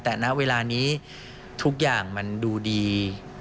แต่ณเวลานี้ทุกอย่างมันดูดี